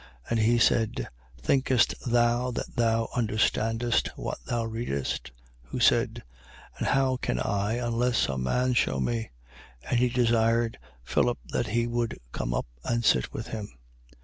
And he said: Thinkest thou that thou understandest what thou readest? 8:31. Who said: And how can I, unless some man shew me? And he desired Philip that he would come up and sit with him.